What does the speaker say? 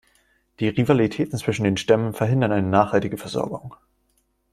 Die Rivalitäten zwischen den Stämmen verhindern eine nachhaltige Versorgung.